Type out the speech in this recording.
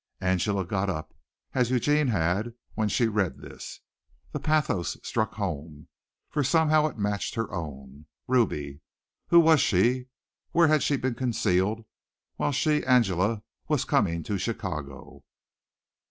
Angela got up (as Eugene had) when she read this. The pathos struck home, for somehow it matched her own. Ruby! Who was she? Where had she been concealed while she, Angela, was coming to Chicago?